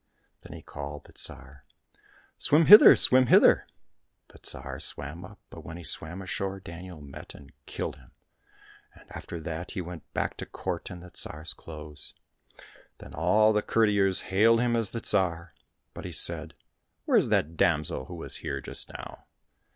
Then he called to the Tsar :" Swim hither, swim hither !" The Tsar swam up, but when he swam ashore Daniel met and killed him, and after that he went back to court in the Tsar's clothes. Then all the courtiers hailed him as the Tsar, but he said, " Where is that damsel who was here just now